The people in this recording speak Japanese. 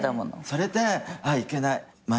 それであっいけない。